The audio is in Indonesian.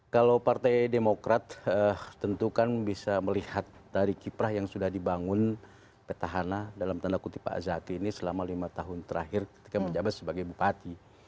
kalau partai demokrat tentu kan bisa melihat dari kiprah yang sudah dibangun petahana dalam tanda kutip pak zaki ini selama lima tahun terakhir ketika menjabat sebagai bupati